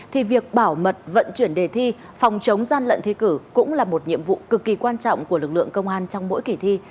thì việc bảo mật vận chuyển đề thi phòng chống gian lận thi cử cũng là một nhiệm vụ cực kỳ quan trọng của lực lượng công an trong mỗi kỳ thi